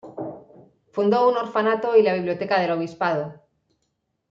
Fundó un orfanato y la biblioteca del Obispado.